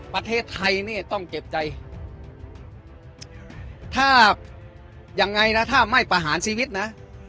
ประเทศไทยนี่ต้องเจ็บใจถ้ายังไงนะถ้าไม่ประหารชีวิตนะ